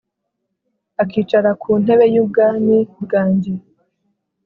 akicara ku ntebe y’ubwami bwanjye.’